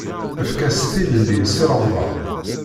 Efk-as tilelli i Si Remḍan!